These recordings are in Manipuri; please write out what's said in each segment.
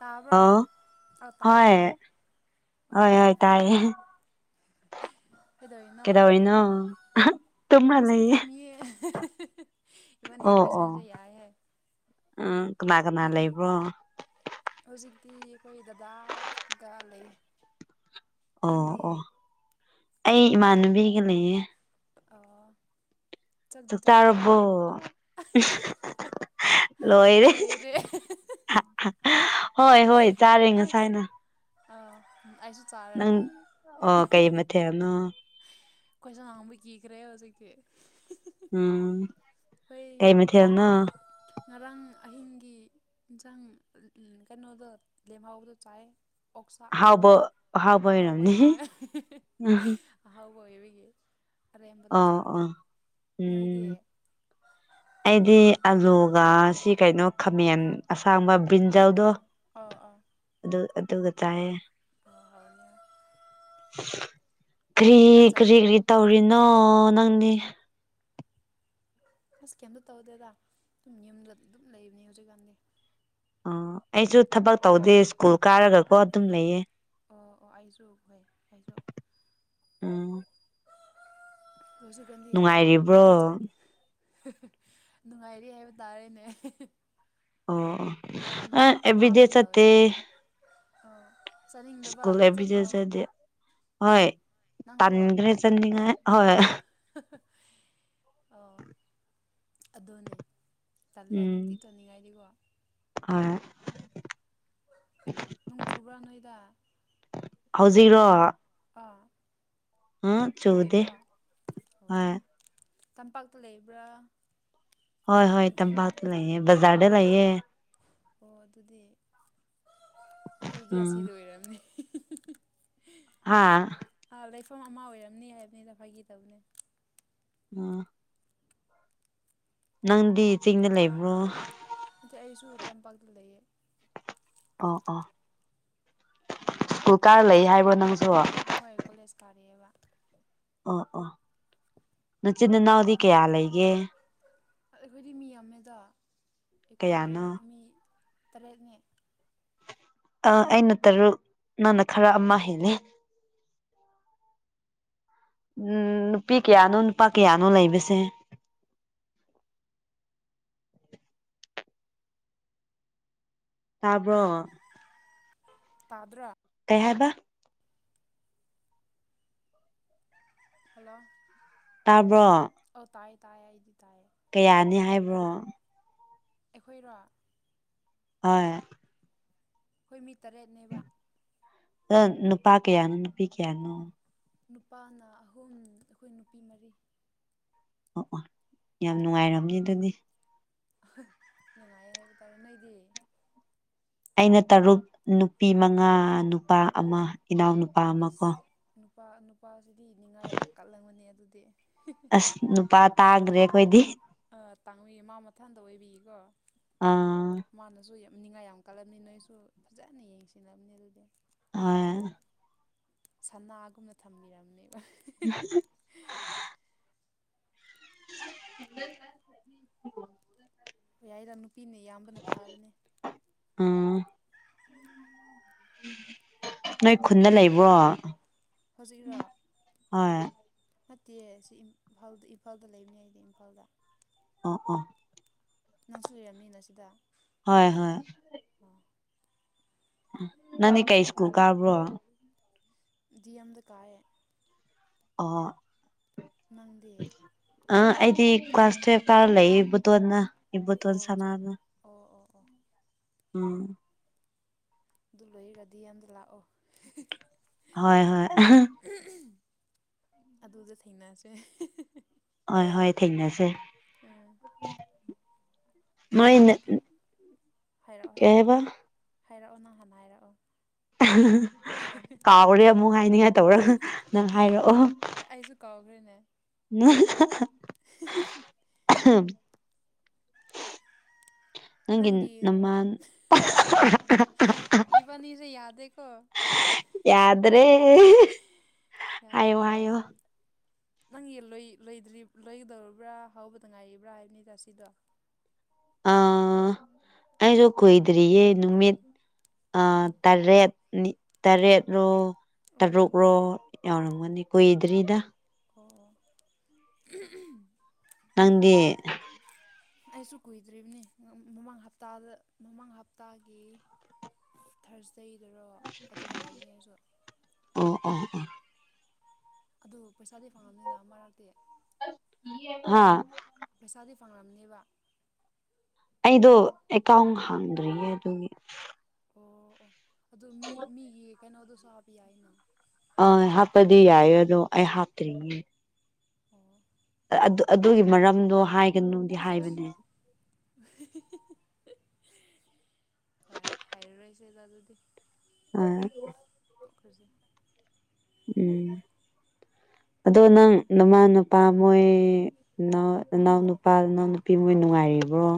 ꯇꯥꯕ꯭ꯔꯣ ꯑꯣ ꯑꯧ ꯍꯣꯏ ꯇꯥꯏꯀꯣ ꯑꯣ ꯍꯣꯏ ꯑꯣ ꯍꯣꯏ ꯇꯥꯏꯌꯦ [inaudible] ꯀꯩꯗꯧꯔꯤꯅꯣ ꯇꯨꯝꯔ ꯁꯨꯝ ꯂꯩꯌꯦ ꯐꯝꯃꯤꯌꯦ ꯑꯦ ꯍꯦ ꯍꯦ ꯍꯦ ꯏꯕꯥꯅꯤ ꯑꯣ ꯑꯣ ꯈꯨꯏꯁꯟꯁꯦ ꯌꯥꯏꯍꯦ ꯎꯝ ꯀꯅꯥ ꯀꯅꯥ ꯏꯔꯨ ꯂꯩꯕ꯭ꯔꯣ ꯍꯧꯖꯤꯛꯇꯤ ꯑꯩꯈꯣꯏ ꯗꯗꯥꯒ ꯂꯩ ꯑꯣ ꯅꯪꯗꯤ ꯑꯣ ꯑꯩ ꯏꯃꯥꯟꯅꯕꯤꯒ ꯂꯩꯌꯦ ꯑꯣ ꯆꯥꯛꯗꯤ ꯆꯥꯛ ꯆꯥꯔꯦꯀꯣ ꯆꯥꯔꯕꯣ ꯑꯍꯤ ꯍꯤ ꯍꯤ ꯍꯥ ꯂꯣꯏꯔꯦ ꯂꯩꯔꯦ ꯑꯍꯦ ꯍꯦ ꯍꯦ ꯍꯣꯏ ꯍꯣꯏ ꯆꯥꯔꯦ ꯉꯁꯥꯏꯅ ꯑ ꯎꯝ ꯑꯩꯁꯨ ꯆꯥꯔꯦ ꯅꯪ ꯑꯣ ꯀꯩ ꯃꯊꯦꯜꯅꯣ ꯀꯣꯏꯁꯟ ꯍꯪꯕ ꯀꯤꯈ꯭ꯔꯦ ꯍꯧꯖꯤꯛꯇꯤ ꯍꯤ ꯍꯤ ꯎꯝ ꯑꯩꯈꯣꯏ ꯀꯩ ꯃꯊꯦꯜꯅꯣ ꯉꯔꯥꯡ ꯑꯍꯤꯡꯒꯤ ꯏꯟꯁꯥꯡ ꯀꯩꯅꯣꯗꯣ ꯂꯦꯝꯍꯧꯕꯗꯣ ꯆꯥꯏ ꯑꯣꯛꯁꯥ ꯑꯍꯥꯎꯕ ꯑꯍꯥꯎꯕ ꯑꯣꯏꯔꯝꯅꯤ ꯑꯍꯥꯎꯕꯅꯦ ꯑꯣꯏ ꯑꯍꯤ ꯍꯤ ꯍꯤ ꯑꯍꯥꯎꯕ ꯑꯣꯏꯕꯒꯤ ꯑꯔꯦꯝꯕꯗꯣ ꯑꯣ ꯆꯥꯔꯦ ꯑꯣ ꯅꯣꯏꯗꯤ ꯎꯝ ꯑꯩꯗꯤ ꯑꯂꯨꯒ ꯁꯤ ꯀꯩꯅꯣ ꯈꯥꯃꯦꯟ ꯑꯁꯥꯡꯕ ꯑꯥ ꯕꯤꯟꯖꯥꯜꯗꯣ ꯑꯥ ꯑꯥ ꯑꯗꯨ ꯑꯗꯨꯒ ꯆꯥꯏꯌꯦ ꯑꯣ ꯍꯥꯎꯅꯤ ꯀ꯭ꯔꯤ ꯊꯕꯛ ꯀ꯭ꯔꯤ ꯆꯠꯇ꯭ꯔꯥ ꯀ꯭ꯔꯤ ꯇꯧꯔꯤꯅꯣ ꯅꯪꯗꯤ ꯑꯁ ꯀꯩꯝꯇ ꯇꯧꯗꯦꯗ ꯑꯗꯨꯝ ꯌꯨꯝꯗ ꯑꯗꯨꯝ ꯂꯩꯕꯅꯦ ꯍꯧꯖꯤꯛꯀꯥꯟꯗꯤ ꯑꯣ ꯑꯩꯁꯨ ꯊꯕꯛ ꯇꯧꯗꯦ ꯁ꯭ꯀꯨꯜ ꯀꯥꯔꯒꯀꯣ ꯑꯗꯨꯝ ꯂꯩꯌꯦ ꯑꯣ ꯑꯣ ꯑꯩꯁꯨ ꯍꯣꯏ ꯑꯩꯁꯨ ꯎꯝ ꯍꯧꯖꯤꯛ ꯀꯥꯟꯗꯤ ꯀꯌꯥ ꯅꯨꯡꯉꯥꯏꯔꯤꯕ꯭ꯔꯣ ꯅꯨꯡꯇꯤ ꯆꯠꯗꯦ ꯍꯥ ꯍ ꯅꯨꯡꯉꯥꯏꯔꯤ ꯍꯥꯏꯕ ꯇꯥꯔꯦꯅꯦ ꯑꯦ ꯍꯤ ꯍꯤ ꯑꯣ ꯑꯣ ꯑꯩ ꯑꯅꯥꯕ ꯑꯦꯕ꯭ꯔꯤꯗꯦ ꯆꯠꯇꯦ ꯌꯥꯎꯗꯦ ꯑꯥ ꯆꯥꯅꯤꯡꯗꯕ ꯁ꯭ꯀꯨꯜ ꯑꯦꯕ꯭ꯔꯤꯗꯦ ꯆꯠꯄꯗꯤ ꯆꯠꯇꯦ ꯑꯥ ꯍꯣꯏ ꯇꯟꯈ꯭ꯔꯦ ꯆꯠꯅꯤꯡꯉꯥꯏ ꯍꯣꯏ ꯍ ꯍ ꯑꯣ ꯑꯗꯨꯅꯦ ꯇꯜꯂꯦ ꯎꯝ ꯅꯨꯡꯇꯤ ꯆꯠꯅꯤꯡꯉꯥꯏꯗꯤꯀꯣ ꯍꯣꯏ ꯅꯣꯡ ꯆꯨꯕ꯭ꯔꯥ ꯅꯣꯏꯗꯥ ꯍꯧꯖꯤꯛꯔꯣ ꯑꯥ ꯎꯝ ꯆꯨꯗꯦ ꯆꯨꯗꯦꯀꯣ ꯑꯣ ꯍꯣꯏ ꯇꯝꯄꯥꯛꯇ ꯂꯩꯕ꯭ꯔꯥ ꯍꯣꯏ ꯍꯣꯏ ꯆꯤꯡꯗ ꯇꯝꯄꯥꯛꯇ ꯂꯩ ꯂꯩꯌꯦ ꯕꯖꯥꯔꯗ ꯂꯩꯌꯦ ꯑꯣ ꯑꯗꯨꯗꯤ ꯑꯗꯨꯗꯤ ꯑꯁꯤ ꯎꯝ ꯂꫭꯏꯔꯝꯅꯤ [unintelligible] ꯍꯥꯥ ꯍꯥ ꯂꯩꯐꯝ ꯑꯃ ꯑꯣꯏꯔꯝꯅꯤ ꯍꯥꯏꯕꯅꯤꯗ ꯐꯥꯒꯤ ꯇꯧꯕꯅꯦ ꯑꯥ ꯅꯪꯗꯤ ꯆꯤꯡꯗ ꯂꯩꯕ꯭ꯔꯣ ꯏ ꯑꯩꯁꯨ ꯇꯝꯄꯥꯛꯇ ꯂꯩꯌꯦ ꯑꯣ ꯑꯣ ꯁ꯭ꯀꯨꯜ ꯀꯥꯔ ꯂꯩ ꯍꯥꯏꯕꯣ ꯅꯪꯁꯨ ꯍꯣꯏ ꯀꯣꯂꯦꯖ ꯀꯥꯔꯤꯑꯕ ꯑ ꯑꯥ ꯏꯆꯤꯟ ꯏꯅꯥꯎꯗꯤ ꯀꯌꯥ ꯂꯩꯒꯦ ꯑꯩꯈꯣꯏꯗꯤ ꯃꯤ ꯑꯃꯗ ꯑꯩꯈꯣꯏ ꯀꯌꯥꯅꯣ ꯃꯤ ꯇꯔꯦꯠꯅꯦ ꯑ ꯑꯩꯅ ꯇꯔꯨꯛ ꯅꯪꯅ ꯈꯔ ꯑꯃ ꯍꯦꯜꯂꯦ ꯎꯝ ꯅꯨꯄꯤ ꯀꯌꯥꯅꯣ ꯅꯨꯄꯥ ꯀꯌꯥꯅꯣ ꯂꯩꯕꯁꯦ ꯇꯥꯕ꯭ꯔꯣ ꯇꯥꯗ꯭ꯔ ꯀꯩ ꯍꯥꯏꯕ ꯍꯜꯂꯣ ꯇꯥꯕ꯭ꯔꯣ ꯑ ꯇꯥꯏꯌꯦ ꯇꯥꯏꯌꯦ ꯏꯗꯤ ꯇꯥꯏꯌꯦ ꯀꯌꯥꯅꯤ ꯍꯥꯏꯕ꯭ꯔꯣ ꯑꯩꯈꯣꯏꯔꯣ ꯍꯣꯏ ꯑꯩꯈꯣꯏ ꯃꯤ ꯇꯔꯦꯠꯅꯦꯕ ꯑ ꯅꯨꯄꯥ ꯀꯌꯥꯅꯣ ꯅꯨꯄꯤ ꯀꯌꯥꯅꯣ ꯅꯨꯄꯥꯅ ꯑꯍꯨꯝ ꯑꯩꯈꯣꯏ ꯅꯨꯄꯤ ꯃꯔꯤ ꯑꯣ ꯑꯣ ꯌꯥꯝ ꯅꯨꯡꯉꯥꯏꯔꯝꯅꯦ ꯑꯗꯨꯗꯤ ꯉꯥꯏ ꯍꯥꯏꯕ ꯇꯥꯔꯦ ꯅꯣꯏꯗꯤ ꯑꯩꯅ ꯇꯔꯨꯛ ꯅꯨꯄꯤ ꯃꯉꯥ ꯅꯨꯄꯥ ꯑꯃ ꯏꯅꯥꯎ ꯅꯨꯄꯥ ꯑꯃ ꯀꯣ ꯏꯁ ꯅꯨꯄꯥ ꯅꯨꯄꯥꯁꯤꯗꯤ ꯅꯤꯡꯅꯤꯉꯥ ꯌꯥꯝ ꯀꯜꯂꯝꯕꯅꯤ ꯑꯗꯨꯗꯤ ꯑꯁ ꯅꯨꯄꯥ ꯇꯥꯡꯈ꯭ꯔꯦ ꯑꯩꯈꯣꯏꯗꯤ ꯇꯥꯡꯉꯏ ꯃꯥ ꯃꯊꯥꯟꯗ ꯑꯣꯏꯕꯤꯌꯦꯀꯣ ꯑꯥ ꯃꯥꯅꯁꯨ ꯌꯥꯝ ꯅꯤꯡꯉꯥꯏ ꯌꯥꯝ ꯀꯜꯂꯝꯕꯅꯤ ꯅꯣꯏꯁꯨ ꯐꯖꯅ ꯌꯦꯡꯁꯤꯜꯂꯕꯅꯤ ꯑꯗꯨꯗꯤ ꯍ ꯁꯅꯥꯒꯨꯝꯅ ꯊꯝꯕꯤꯔꯝꯅꯦꯕ ꯎꯝ [unintelligible] ꯑꯣ ꯌꯥꯏꯔ ꯅꯨꯄꯤꯅ ꯏꯌꯥꯝꯕꯅ ꯐꯥꯕꯅꯦ ꯑꯥ ꯅꯣꯏ ꯈꯨꯟꯅ ꯂꯩꯕ꯭ꯔꯣ ꯍꯧꯖꯤꯛꯔꯣ ꯍꯣꯏ ꯐꯠꯇꯦ ꯁꯤ ꯏꯝꯐꯥꯜꯗ ꯏꯝꯐꯥꯜꯗ ꯂꯩꯕꯅꯦ ꯑꯩꯗꯤ ꯏꯝꯐꯥꯜꯗ ꯑꯥ ꯑꯥ ꯅꯪꯁꯨ ꯂꯩꯔꯝꯅꯤꯅ ꯁꯤꯗ ꯍꯣꯏ ꯍꯣꯏ ꯑꯣ ꯅꯅꯤ ꯀꯩ ꯏꯁꯀꯨꯜ ꯀꯥꯕ꯭ꯔꯣ ꯗꯤ ꯑꯃꯝꯗ ꯀꯥꯏꯑꯦ ꯑ ꯅꯪꯗꯤ ꯑ ꯑꯩꯗꯤ ꯀ꯭ꯂꯥꯁ ꯇꯨꯋꯜꯐ ꯀꯥꯔ ꯂꯩ ꯗꯣꯅ ꯏꯕꯇ ꯑꯣꯟ ꯑꯣ ꯁꯅ ꯆꯣ ꯑꯒ ꯑꯣ ꯑꯣ ꯑꯣ ꯎꯝ ꯑꯗꯨ ꯂꯣꯏꯔꯒꯗꯤ ꯌꯥꯝꯗ ꯂꯥꯛꯑꯣ ꯍꯣꯏ ꯍꯣꯏ ꯑꯗꯨꯗ ꯊꯦꯡꯅꯁꯦ ꯍꯣꯏ ꯍꯣꯏ ꯊꯦꯡꯅꯁꯦ ꯎꯝ ꯅꯪꯒꯤ ꯅꯣꯏ ꯂꯣꯏ ꯍꯥꯏꯔꯛꯑꯣ ꯀꯩ ꯍꯥꯏꯔꯛꯑꯣ ꯍꯥꯏꯕ ꯍꯥꯏꯔꯛꯑꯣ ꯅꯪ ꯍꯥꯟꯅ ꯍꯥꯏꯔꯛꯑꯣ ꯀꯥꯎꯔꯦ ꯑꯃꯨꯛ ꯍꯥꯏꯅꯤꯡꯉꯥꯏ ꯇꯧꯔꯒ ꯅꯪ ꯍꯥꯏꯔꯛꯑꯣ ꯑꯩꯁꯨ ꯀꯥꯎꯈ꯭ꯔꯦꯅꯦ ꯎ [unintelligible] [unintelligible] ꯅꯪꯒꯤ ꯏꯕꯥꯅꯤꯁꯦ ꯌꯥꯗꯦꯀꯣ [unintelligible] ꯌꯥꯗ꯭ꯔꯦ ꯍꯥꯏꯌꯣ ꯌꯥꯗ꯭ꯔꯦ ꯍꯥꯏꯌꯣ ꯌꯥꯗ꯭ꯔꯦ ꯅꯪ ꯂꯣꯏ ꯂꯣꯏꯗ꯭ꯔꯤ ꯂꯣꯏꯒꯗꯧꯔꯕ꯭ꯔꯥ ꯍꯧꯕꯗ ꯉꯥꯏꯔꯤꯕ꯭ꯔꯥ ꯍꯥꯏꯕꯅꯤ ꯁꯤꯗꯣ ꯑ ꯑꯩꯗꯨ ꯀꯨꯏꯗ꯭ꯔꯤꯌꯦ ꯅꯨꯃꯤꯠ ꯑ ꯇꯔꯦꯠ ꯇꯔꯦꯠꯂꯣ ꯑꯣ ꯑꯣ ꯇꯔꯨꯛꯔꯣ ꯌꯥꯎꯔꯝꯒꯅꯤ ꯀꯨꯏꯗ꯭ꯔꯤꯗ ꯑꯣ ꯑꯣ [unintelligible] ꯅꯪꯗꯤ ꯑꯩꯁꯨ ꯀꯨꯏꯗ꯭ꯔꯤꯕꯅꯤ ꯃꯃꯥꯡ ꯍꯞꯇꯥꯗ ꯃꯃꯥꯡ ꯍꯞꯇꯥꯒꯤ ꯊꯔꯁꯗꯦꯗꯔꯣ ꯑꯗꯨꯗ ꯍꯧꯕꯅꯤ ꯑꯩꯁꯨ ꯑꯣ ꯑꯣ ꯑꯣ ꯑꯗꯨ ꯄꯩꯁꯥꯗꯤ ꯐꯪꯉꯝꯅꯤꯅ ꯑꯃꯔꯛꯇꯤ [unintelligible] ꯍꯥꯥ ꯄꯩꯁꯥꯗꯤ ꯐꯪꯂꯝꯅꯦꯕ ꯑꯩꯗꯣ ꯑꯦꯀꯥꯎꯟ ꯍꯥꯡꯗ꯭ꯔꯤꯌꯦ ꯑꯗꯨꯒꯤ ꯑꯣ ꯑꯣ ꯑꯗꯨ ꯃꯤ ꯃꯤꯒꯤ ꯀꯩꯅꯣꯗꯨꯁꯨ ꯍꯥꯞꯄ ꯌꯥꯏꯅ ꯑꯪ ꯍꯥꯞꯄꯗꯤ ꯌꯥꯏ ꯑꯗꯣ ꯑꯩ ꯍꯥꯞꯇ꯭ꯔꯤꯌꯦ ꯑꯣ ꯑꯗꯨ ꯑꯗꯨꯒꯤ ꯃꯔꯝꯗꯣ ꯍꯥꯏꯒꯅꯨꯗꯤ ꯍꯥꯏꯕꯅꯦ [unintelligible] ꯍꯣꯏ ꯍꯥꯏꯔ ꯔꯣꯏꯁꯦꯗ ꯑꯗꯨꯗꯤ [unintelligible] ꯇꯣꯛꯈ꯭ꯔꯁꯦ ꯎꯝ ꯑꯗꯣ ꯅꯪ ꯅꯃꯥ ꯅꯄꯥ ꯃꯣꯏ ꯏꯅꯥꯎ ꯃꯣꯏꯗꯤ ꯅꯨꯄꯥ ꯏꯅꯥꯎ ꯅꯨꯄꯤ ꯃꯣꯏ ꯅꯨꯡꯉꯥꯏꯔꯤꯕ꯭ꯔꯣ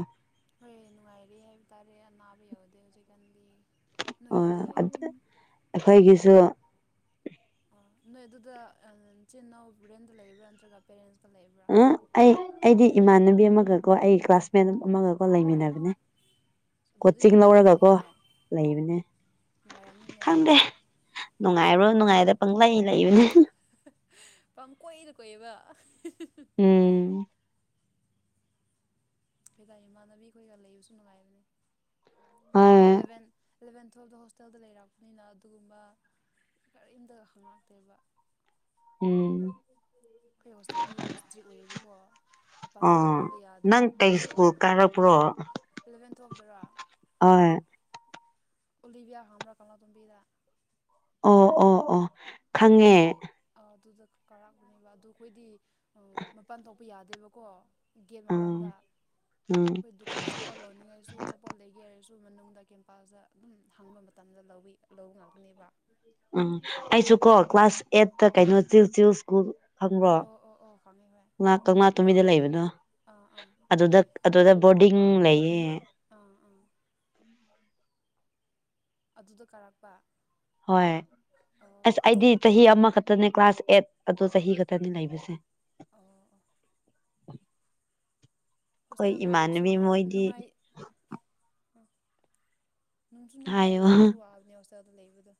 ꯍꯣꯏ ꯅꯨꯡꯉꯥꯏꯔꯤ ꯍꯥꯏꯕ ꯇꯥꯔꯦ ꯑꯅꯥꯕ ꯌꯥꯎꯗꯦ ꯍꯧꯖꯤꯛꯀꯥꯟꯗꯤ ꯑꯣ ꯅꯣꯏꯒꯤꯗꯤ ꯑꯗꯨ ꯑꯩꯈꯣꯏꯒꯤꯁꯨ ꯑꯣ ꯅꯣꯏ ꯑꯗꯨꯗ ꯅꯆꯤꯟ ꯏꯅꯥꯎ ꯔꯦꯟꯗ ꯂꯩꯕ꯭ꯔꯥ ꯅꯠꯇ꯭ꯔꯒ ꯄꯦꯔꯦꯟꯁꯀ ꯂꯩꯕ꯭ꯔꯥ ꯎꯝ ꯑꯩ ꯑꯩꯗꯤ ꯏꯃꯥꯟꯅꯕꯤ ꯑꯃꯒꯀꯣ ꯑꯩ ꯀ꯭ꯂꯥꯁꯃꯦꯠ ꯑꯃꯒꯀꯣ ꯑꯣ ꯂꯩꯃꯤꯟꯅꯕꯅꯦ ꯑꯗꯨꯗꯤ ꯀꯣꯆꯤꯡ ꯂꯧꯔꯒꯀꯣ ꯅꯨꯡꯉꯥꯏꯔꯝꯅꯤꯍꯦ ꯑꯣ ꯂꯩꯕꯅꯦ ꯅꯨꯡꯉꯥꯏꯔꯝꯅꯤꯅꯦ ꯈꯪꯗꯦ ꯑꯗꯨꯗꯤ ꯅꯨꯡꯉꯥꯏꯕ꯭ꯔꯥ ꯅꯨꯡꯉꯥꯏꯗꯕ ꯄꯪꯂꯩ ꯂꯩꯕꯅꯦ ꯄꯪ ꯀꯣꯏꯗ ꯀꯣꯏꯕ ꯎꯝ ꯍꯣꯏꯗꯥ ꯏꯃꯥꯟꯅꯕꯤ ꯑꯩꯈꯣꯏꯒ ꯂꯩꯕꯁꯨ ꯅꯨꯡꯉꯥꯏꯕꯅꯦ ꯑꯩꯈꯣꯏꯗꯤ ꯍꯣꯏ ꯑꯦꯂꯕꯦꯟ ꯑꯦꯂꯚꯦꯟ ꯇꯨꯌꯦꯜꯇ ꯍꯣꯁ ꯍꯣꯁꯇꯦꯜꯗ ꯂꯩꯔꯛꯄꯅꯤꯅ ꯑꯗꯨꯒꯨꯝꯕ ꯀꯔꯤꯝꯇ ꯍꯉꯛꯇꯦꯕ ꯎꯝ ꯑꯩꯈꯣꯏ ꯍꯣꯁꯇꯦꯜꯗꯤ ꯌꯥꯝ ꯏꯁꯇ꯭ꯔꯤꯛ ꯑꯣꯏꯌꯦꯕꯀꯣ ꯃꯄꯥꯟꯁꯨ ꯊꯣꯛꯍꯟꯕ ꯌꯥꯗꯦ ꯑꯩꯈꯣꯏ ꯇꯥꯔꯛꯄ꯭ꯔꯣ ꯏꯂꯚꯦꯟ ꯇꯦꯌꯦꯕ ꯗꯔꯣ ꯍꯣꯏ ꯎꯂꯤꯕꯤꯌꯥ ꯈꯪꯕ꯭ꯔꯥ ꯀꯪꯂꯥ ꯇꯣꯝꯕꯤꯗ ꯑꯣ ꯑꯣ ꯑꯣ ꯈꯪꯉꯦ ꯑꯗꯨꯗ ꯂꯩ ꯑ ꯑꯗꯨꯗ ꯀꯥꯔꯛꯄꯅꯦꯕ ꯑꯗꯨ ꯑꯩꯈꯣꯏꯗꯤ ꯃꯄꯥꯟ ꯊꯣꯛꯄ ꯌꯥꯗꯦꯕꯀꯣ ꯒꯦꯠ ꯎꯝ ꯃꯄꯥꯟꯗ ꯎꯝ ꯑꯩꯈꯣꯏ ꯗꯨ ꯑꯆꯥꯄꯣꯠ ꯂꯧꯅꯤꯡꯉꯥꯏꯁꯨ ꯑꯆꯥꯄꯣꯠ ꯂꯩꯒꯦ ꯍꯥꯏꯔꯁꯨ ꯃꯅꯨꯡꯗ ꯀꯦꯝꯄꯥꯁꯇ ꯑꯗꯨꯝ ꯍꯥꯡꯕ ꯃꯇꯝꯗ ꯂꯧꯏ ꯂꯧꯕ ꯉꯥꯛꯇꯅꯦꯕ ꯑ ꯑꯩꯁꯨ ꯀꯣ ꯀ꯭ꯂꯥꯁ ꯑꯥ ꯑꯦꯠꯠꯇ ꯀꯩꯅꯣ ꯆ ꯆ ꯁ꯭ꯀꯨꯜ ꯈꯪꯕ꯭ꯔꯣ ꯑꯣ ꯑꯣ ꯑꯣ ꯈꯪꯉꯦ ꯍꯣꯏ ꯀꯪꯂꯥ ꯇꯨꯝꯕꯤꯗ ꯂꯩꯕꯅꯣ ꯑꯥ ꯑꯥ ꯑꯗꯨꯗ ꯈꯪꯉꯦ ꯑꯗꯨꯗ ꯕꯣꯔꯗꯤꯡ ꯂꯩꯌꯦ ꯑꯥ ꯑꯥ ꯑꯗꯨꯗꯣ ꯀꯥꯔꯛꯄ ꯍꯣꯏ ꯑꯁ ꯑꯣ ꯑꯩꯗꯤ ꯆꯍꯤ ꯑꯃꯈꯛꯇꯅꯦ ꯀ꯭ꯂꯥꯁ ꯑꯦꯠ ꯑꯗꯨ ꯆꯍꯤ ꯈꯛꯇꯅꯤ ꯂꯩꯕꯁꯦ ꯑꯣ ꯑꯩꯈꯣꯏ ꯍꯣꯁꯇꯦꯜꯗ ꯂꯩꯕꯁꯨ ꯏꯃꯥꯟꯅꯕꯤ ꯅꯨꯡꯉꯥꯏ ꯃꯣꯏꯗꯤ ꯅꯨꯡꯉꯥꯏ ꯅꯨꯡꯁꯨ ꯅꯨꯡꯉꯥꯏꯌꯦ ꯍꯥꯏꯌꯣ ꯋꯥꯁꯨ ꯋꯥꯕꯅꯦ ꯍꯣꯁꯇꯦꯜꯗ ꯂꯩꯕꯗ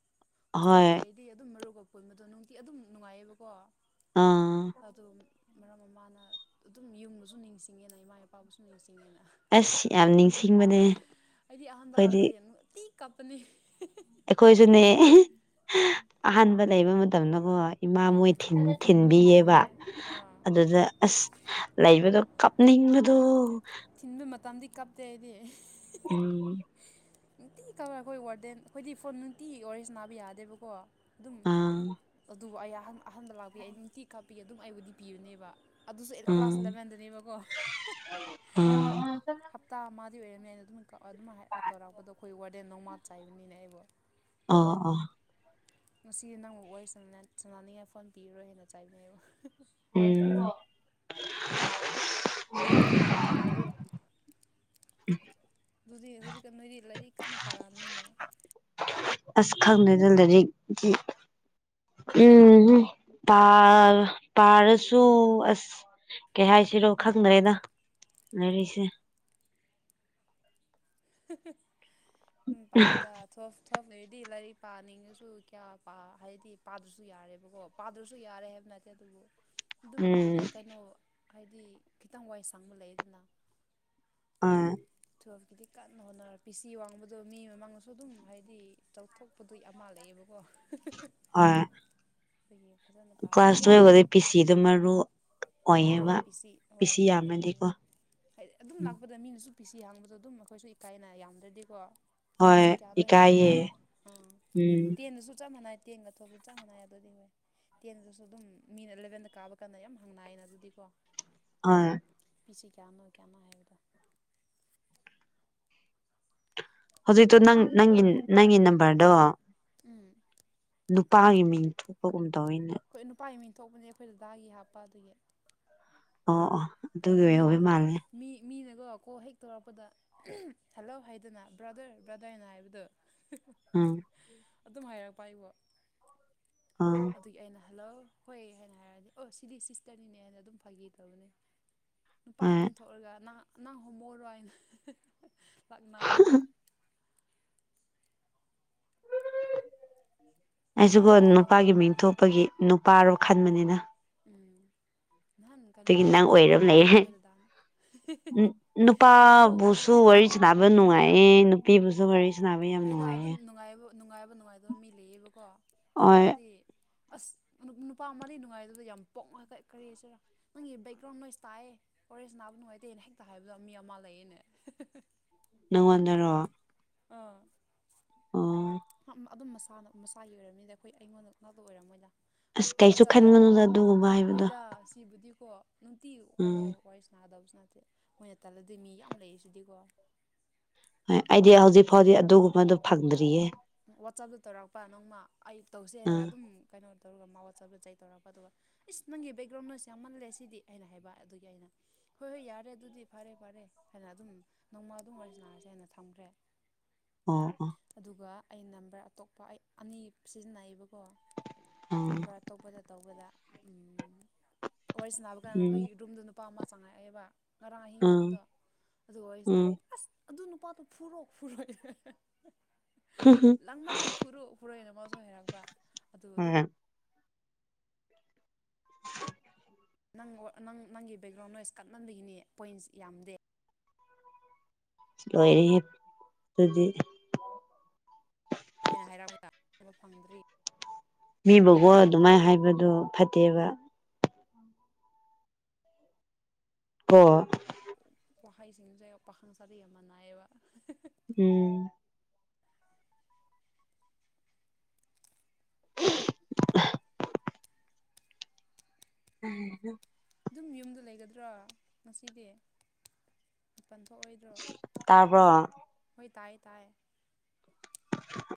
ꯍꯣꯁꯇꯦꯜ ꯍꯣꯏ ꯂꯩ ꯗꯤ ꯑꯗꯨꯝ ꯃꯔꯨꯞ ꯀ ꯄꯨꯣꯏꯕꯗꯣ ꯅꯨꯡꯇꯤ ꯑꯗꯨꯝ ꯅꯨꯡꯉꯥꯏꯌꯦꯕꯀꯣ ꯑꯥ ꯑꯗꯨ ꯃꯔꯝ ꯑꯃꯅ ꯑꯗꯨꯝ ꯌꯨꯝꯕꯨꯁꯨ ꯅꯤꯡꯁꯤꯡꯉꯦꯅ ꯏꯃꯥ ꯏꯄꯥꯕꯨꯁꯨ ꯅꯤꯡꯁꯤꯡꯉꯦꯅ ꯑꯁ ꯌꯥꯝ ꯅꯤꯡꯁꯤꯡꯕꯅꯦ ꯑꯩꯈꯣꯏꯗꯤ ꯇꯤ ꯀꯞꯄꯅꯤ ꯑꯩꯈꯣꯏꯁꯨꯅꯦ ꯑꯍꯥꯟꯕ ꯂꯩꯕ ꯃꯇꯝꯗꯀꯣ ꯏꯃꯥ ꯃꯣꯏ ꯊꯤꯟ ꯕꯤꯌꯦꯕ ꯑꯥ ꯑꯗꯨꯗ ꯑꯁ ꯂꯩꯕꯗꯣ ꯀꯞꯅꯤꯡꯕꯗꯣ ꯊꯤꯟꯕ ꯃꯇꯝꯗꯤ ꯀꯞꯇꯦ ꯑꯩꯗꯤ ꯑꯩ ꯍꯝ ꯅꯨꯡꯇꯤ ꯀꯛꯔ ꯑꯩꯈꯣꯏ ꯋꯥꯔꯗꯦꯟ ꯑꯩꯈꯣꯏꯗꯤ ꯐꯣꯟ ꯅꯨꯡꯇꯤꯒꯤ ꯋꯥꯔꯤꯔꯁ ꯅꯥꯕ ꯌꯥꯗꯦꯕꯀꯣ ꯑꯗꯨꯝ ꯑꯥ ꯑꯗꯨꯕꯨ ꯑꯩ ꯑꯍꯟ ꯑꯍꯟꯗ ꯂꯥꯛꯄꯤ ꯑꯩ ꯅꯨꯡꯇꯤ ꯀꯥꯞꯄꯤ ꯑꯗꯨꯝ ꯑꯩꯕꯨꯗꯤ ꯄꯤꯔꯨꯅꯦꯕ ꯑꯗꯨꯁꯨ ꯑꯩꯠ ꯀ꯭ꯂꯥꯁ ꯎꯝ ꯏꯂꯚꯦꯟꯗꯅꯦꯕꯀꯣ ꯎꯝ ꯍꯞꯇꯥ ꯑꯃꯗꯤꯗꯤ ꯑꯣꯏꯔꯝꯅꯤ ꯍꯥꯏꯅ ꯑꯗꯨꯝ ꯑꯗꯨꯝ ꯇꯧꯔꯛꯄꯗꯣ ꯑꯩꯈꯣꯏ ꯋꯥꯔꯗꯦꯟ ꯅꯣꯡꯃꯥꯛ ꯆꯥꯏꯕꯅꯤꯅ ꯑꯩꯕꯣ ꯑꯥ ꯑꯥ ꯉꯁꯤꯗꯤ ꯅꯪꯕꯨ ꯑꯣꯏꯁ ꯆꯅꯅꯤꯡꯉꯥꯏ ꯐꯣꯟ ꯄꯤꯔꯔꯣꯏ ꯍꯦꯟꯅ ꯆꯥꯏꯕꯅꯦꯕ ꯎꯝ ꯎ ꯑꯗꯨꯗꯤ ꯍꯧꯖꯤꯛꯀ ꯅꯣꯏꯗꯤ ꯂꯥꯏꯔꯤꯛ ꯀꯟꯅ ꯄꯥꯔꯛꯑꯕꯅꯤꯅꯦ ꯑꯁ ꯈꯪꯅꯩꯗ ꯂꯥꯏꯔꯤꯛꯀꯤ ꯎꯝ ꯄꯥꯔ ꯄꯥꯔꯁꯨ ꯑꯁ ꯀꯩ ꯍꯥꯏꯁꯤꯔꯣ ꯈꯪꯗ꯭ꯔꯦꯗ ꯂꯩꯔꯤꯁꯦ ꯄꯥꯎꯗ ꯊꯣꯞ ꯊꯣꯞ ꯂꯩꯗꯤ ꯂꯥꯏꯔꯤꯛ ꯄꯥꯅꯤꯡꯉꯁꯨ ꯀꯌꯥ ꯄꯥ ꯍꯥꯏꯗꯤ ꯄꯥꯗ꯭ꯔꯁꯨ ꯌꯥꯔꯦꯕꯀꯣ ꯄꯥꯗ꯭ꯔꯁꯨ ꯌꯥꯔꯦ ꯍꯥꯏꯕ ꯅꯠꯇꯦ ꯑꯗꯨꯕꯨ [unintelligible] ꯑꯗꯨꯝꯔꯤꯦꯛ ꯀꯩꯅꯣ ꯍꯥꯏꯗꯤ ꯈꯤꯇꯪ ꯋꯥꯏ ꯁꯥꯡꯕ ꯂꯩꯗꯅ ꯑ ꯊꯨꯞꯀꯤꯗꯤ ꯀꯟꯅ ꯍꯣꯠꯅꯔ ꯄꯁꯤ ꯋꯥꯡꯕꯗꯣ ꯃꯤ ꯃꯃꯥꯡꯗꯁꯨ ꯑꯗꯨꯝ ꯍꯥꯏꯗꯤ ꯇꯧꯊꯣꯛ ꯄꯣꯠꯇꯏ ꯑꯃ ꯃꯥꯜꯂꯌꯦꯦꯕꯀꯣ ꯍ ꯐꯌꯦ ꯐꯖꯅ ꯀ꯭ꯂꯥꯁ ꯄꯥꯎ ꯇꯕꯗ ꯄꯤꯁꯤꯗ ꯃꯔꯨ ꯍꯣꯏ ꯑꯣꯏꯌꯦꯕ ꯄꯤ ꯁꯤ ꯄꯤ ꯍꯣꯏ ꯁꯤ ꯑꯗꯨꯅꯤ ꯌꯥꯝꯃꯗꯤꯀꯣ ꯍꯥꯏꯗꯤ ꯑꯗꯨꯝ ꯎꯝ ꯂꯥꯛꯄꯗ ꯃꯤꯅꯁꯨ ꯄꯤꯁꯤ ꯍꯥꯡꯕꯗꯣ ꯑꯗꯨꯝ ꯑꯩꯈꯣꯏꯁꯨ ꯏꯀꯥꯏꯅ ꯌꯥꯝꯗ꯭ꯔꯗꯤꯀꯣ ꯍꯣꯏ ꯐꯤꯁꯤ ꯀꯌꯥꯗꯣ ꯍꯦ ꯅꯪ ꯏꯀꯥꯏꯌꯦ ꯍꯥꯏꯔꯛꯄꯗ ꯑꯥ ꯎꯝ ꯇꯦꯟꯗꯨꯁꯨ ꯆꯞ ꯃꯥꯟꯅꯩ ꯇꯦꯟꯒ ꯊꯣꯛꯄꯁꯨ ꯆꯥꯡ ꯃꯥꯟꯅꯥꯏ ꯑꯗꯨꯗꯤ ꯍ ꯇꯦꯟꯗꯨꯁꯨ ꯑꯗꯨꯝ ꯃꯤꯅ ꯑꯦꯂꯕꯦꯟꯗ ꯀꯥꯕ ꯀꯥꯟꯗ ꯌꯥꯝ ꯍꯥꯡ ꯏꯅ ꯑꯗꯨ ꯀꯣ ꯑ ꯄꯁꯤ ꯀꯌꯥꯅꯣ ꯀꯌꯥꯅꯣ ꯍꯥꯏꯕꯗꯣ ꯍꯧꯖꯤꯛꯇꯣ ꯅꯪ ꯅꯪꯒꯤ ꯅꯪꯒꯤ ꯅꯝꯕꯔꯗꯣ ꯎꯝ ꯅꯨꯄꯥꯒꯤ ꯃꯤꯡ ꯊꯣꯛꯄꯒꯨꯝ ꯇꯧꯑꯅꯦ ꯈꯣꯏ ꯅꯨꯄꯥꯒꯤ ꯃꯤꯡ ꯊꯣꯛꯄꯅꯦ ꯑꯩꯈꯣꯏꯗꯗꯥꯒꯤ ꯍꯥꯞꯄ ꯑꯗꯨꯒꯤ ꯑꯣ ꯑꯣ ꯑꯗꯨꯒꯤ ꯃꯤ ꯑꯣꯏ ꯃꯥꯜꯂꯦ ꯃꯤ ꯃꯤꯅꯀꯣ ꯀꯣꯜ ꯍꯦꯛ ꯇꯧꯔꯛꯄꯗ ꯍꯜꯂꯣ ꯍꯥꯏꯗꯅ ꯕ꯭ꯔꯥꯗꯔ ꯕ꯭ꯔꯥꯗꯔꯅ ꯍꯥꯏꯕꯗꯣ ꯎꯝ ꯑꯗꯨꯝ ꯍꯥꯏꯔꯛꯄ ꯑꯩꯕꯨ ꯑꯥ ꯑꯗꯨꯒꯤ ꯑꯩꯅ ꯍꯜꯂꯣ ꯍꯣꯏ ꯍꯥꯏꯅ ꯍꯥꯏꯔꯗꯤ ꯑꯣ ꯁꯤꯗꯤ ꯁꯤꯁꯇꯔꯅꯤꯅꯦ ꯍꯥꯏꯅ ꯑꯗꯨꯝ ꯐꯥꯈꯤ ꯇꯧꯕꯅꯦ ꯅꯨꯄꯥ ꯍꯣꯏ ꯏꯃꯤꯡ ꯊꯣꯛꯑꯒ ꯅ ꯅꯪ ꯍꯣꯃꯣꯔꯣ ꯍꯥꯏꯅ ꯂꯥꯛꯅꯕꯗ ꯅꯍꯥꯟ ꯑꯩꯁꯤꯒꯣ ꯀꯩꯅꯣ ꯇꯧꯕꯗ ꯅꯨꯄꯥꯒꯤ ꯃꯤꯡ ꯊꯣꯛꯄꯒꯤ ꯅꯨꯄꯥꯔꯣ ꯈꯟꯕꯅꯤꯅ ꯎꯝ ꯅꯍꯥꯟ ꯀꯩꯅꯣ ꯑꯗꯨꯒꯤ ꯅꯪ ꯇꯧꯕꯗ ꯑꯣꯏꯔ ꯂꯩꯔꯦ ꯑꯩꯈꯣꯏꯗ ꯗꯥꯟ ꯈꯨꯝꯃꯣꯛ ꯁꯅꯕ ꯅꯉꯥꯏꯌꯦ ꯅꯨꯄꯤ ꯕꯨꯖꯨ ꯋꯥꯔꯤ ꯁꯥꯟꯅꯕ ꯌꯥꯝ ꯍꯣꯏꯗ ꯑꯗꯨꯝ ꯅꯨꯡꯉꯥꯏꯌꯦ ꯅꯨꯡꯉꯥꯏꯕ ꯅꯨꯡꯉꯥꯏꯕ ꯅꯨꯡꯉꯥꯏꯇꯕ ꯃꯤ ꯂꯩꯌꯦꯕꯀꯣ ꯃꯤ ꯍꯣꯏ ꯈꯔꯗꯤ ꯑꯁ ꯅꯨꯄꯥ ꯑꯃꯗꯤ ꯅꯨꯡꯉꯥꯏꯗꯨꯗ ꯌꯥꯝ ꯄꯣꯛꯉꯒ ꯀꯔꯤꯁꯤꯔꯥ ꯅꯪꯒꯤ ꯕꯦꯛꯒ꯭ꯔꯥꯎꯟ ꯅꯣꯏꯁ ꯇꯥꯏꯌꯦ ꯐꯣꯔꯦꯁ ꯅꯥꯕ ꯅꯨꯡꯉꯥꯏꯇꯦꯅ ꯍꯦꯛꯇ ꯍꯥꯏꯕꯗꯣ ꯃꯤ ꯑꯃ ꯂꯩꯌꯦꯅꯦ ꯅꯪꯉꯣꯟꯗꯔꯣ ꯑꯥ ꯑꯣ ꯑꯗꯨꯝ ꯃꯁꯥꯟꯅ ꯃꯁꯥꯒꯤ ꯑꯣꯏꯔꯝꯅꯤꯗ ꯑꯩꯈꯣꯏ ꯑꯩꯉꯣꯟꯗꯅꯗꯣ ꯑꯣꯏꯔꯝꯃꯣꯏꯅ ꯑꯁ ꯀꯩꯁꯨ ꯋꯥꯆꯞꯇ ꯈꯟꯒꯅꯨꯗ ꯑꯗꯨꯒꯨꯝꯕ ꯍꯥꯏꯕꯗꯣ ꯍꯣꯏꯗ ꯁꯤꯕꯨꯗꯤꯀꯣ ꯅꯨꯡꯇꯤ ꯀꯩꯅꯣ ꯎꯝ ꯋꯥꯔꯤ ꯁꯅꯥꯒꯗꯕꯁꯨ ꯅꯠꯇꯦ ꯃꯣꯏꯅ ꯇꯜꯂꯗꯤ ꯃꯤ ꯌꯥꯝ ꯂꯩꯁꯤꯗꯤꯀꯣ ꯍꯣꯏ ꯑꯩꯗꯤ ꯍꯧꯖꯤꯛ ꯐꯥꯎꯗꯤ ꯑꯗꯨꯒꯨꯝꯕꯗꯣ ꯐꯪꯗ꯭ꯔꯤꯌꯦ ꯋꯥꯆꯞꯇ ꯇꯧꯔꯛꯄ ꯅꯪꯃ ꯑꯌꯨꯛ ꯇꯧꯁꯦꯅ ꯑꯥ ꯑꯗꯨꯝ ꯀꯩꯅꯣ ꯇꯧꯔꯒ ꯃꯥ ꯋꯥꯆꯞꯇꯁꯨꯦ ꯑꯩ ꯇꯧꯔꯛꯄ ꯑꯗꯨꯒ ꯏꯁ ꯅꯪꯒꯤ ꯕꯦꯛꯒ꯭ꯔꯥꯎꯟ ꯂꯣꯏꯁꯦ ꯌꯥꯝꯃꯜꯂꯦ ꯁꯤꯗꯤ ꯑꯩꯅ ꯍꯥꯏꯕ ꯑꯗꯨꯒꯤ ꯑꯩꯅ ꯍꯣꯏ ꯍꯣꯏ ꯌꯥꯔꯦ ꯑꯗꯨꯗꯤ ꯐꯔꯦ ꯐꯔꯦ ꯍꯥꯏꯅ ꯑꯗꯨꯝ ꯅꯣꯡꯃ ꯑꯗꯨꯝ ꯑꯣꯏꯔꯁꯅꯔꯁꯦ ꯍꯥꯏꯅ ꯊꯝꯈ꯭ꯔꯦ ꯑꯥ ꯑꯥ ꯑꯗꯨꯒ ꯑꯩ ꯅꯝꯕꯔ ꯑꯇꯣꯞꯄ ꯑꯩ ꯑꯅꯤ ꯁꯤꯖꯤꯟꯅꯩꯑꯕꯀꯣ ꯑꯣ ꯅꯝꯕꯔ ꯑꯇꯣꯞꯄꯗ ꯇꯧꯕꯗ ꯎꯝ ꯋꯥꯔꯤꯁ ꯅꯥꯅꯕ ꯀꯥꯟꯗ ꯑꯩꯈꯣꯏ ꯎꯝ ꯔꯨꯝꯗ ꯂꯨꯄꯥ ꯑꯃ ꯆꯪꯉꯛꯑꯦꯕ ꯉꯔꯥꯡ ꯑꯍꯤꯡꯅꯦ ꯎꯝ ꯑꯗꯨꯗꯣ ꯑꯗꯨꯒ ꯋꯥꯔꯤꯁꯤ ꯎꯝ ꯅꯥꯕꯤ ꯑꯁ ꯑꯗꯨ ꯅꯨꯄꯥꯗꯣ ꯐꯨꯔꯣ ꯐꯨꯔꯣ ꯂꯪꯃꯜꯂꯤꯦ ꯐꯨꯔꯨꯞ ꯐꯨꯔꯣꯏꯅ ꯑꯃꯁꯁꯨ ꯍꯩꯔꯛꯄ ꯑꯗꯨ ꯑ ꯑꯗꯨꯝ ꯅꯪ ꯅꯪ ꯅꯪꯒꯤ ꯕꯦꯛꯒ꯭ꯔꯥꯎꯟ ꯅꯣꯂꯦꯖ ꯀꯛꯂꯝꯕꯤꯒꯤꯅꯤ ꯄꯣꯏꯟꯁ ꯌꯥꯝꯗꯦ ꯂꯣꯏꯔꯤꯌꯦ ꯗꯨꯗꯤ ꯍꯥꯏꯅ ꯍꯥꯏꯔꯕ ꯐꯪꯗ꯭ꯔꯤ ꯃꯤꯕꯨꯀꯣ ꯑꯗꯨꯃꯥꯏ ꯍꯥꯏꯕꯗꯣ ꯐꯠꯇꯦꯕ ꯀꯣ ꯋꯥꯍꯩꯁꯤꯡꯁꯦ ꯄꯥꯈꯪ ꯁꯔꯤ ꯌꯥꯝ ꯃꯅꯥꯏꯌꯦꯕ ꯎꯝ [unintelligible] [unintelligible] ꯑꯗꯨꯝ ꯌꯨꯝꯗ ꯂꯩꯒꯗ꯭ꯔꯣ ꯉꯁꯤꯗꯤ ꯃꯥꯄꯟ ꯊꯣꯛꯑꯣꯏꯗ꯭ꯔꯣ ꯇꯥꯕ꯭ꯔꯣ ꯍꯣꯏ ꯇꯥꯏꯌꯦ ꯇꯥꯏ [unintelligible]